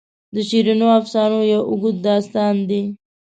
د شیرینو افسانو یو اوږد داستان دی.